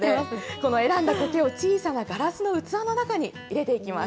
このコケを小さなガラスの器の中に入れていきます。